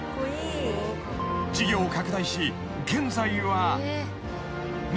［事業を拡大し現在は］